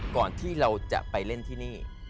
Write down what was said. ก่อนที่เราจะไปเล่นที่นี่